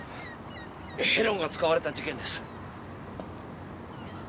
ヘロンが使われた事件です。